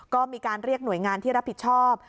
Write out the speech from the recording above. ก็มีการเรียกหน่วยงานที่รับผิดชอบ